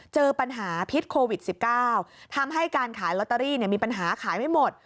เจอปัญหาพิษโควิด๑๙ทำให้การขายลอตเตอรี่มีปัญหาขายไม่หมด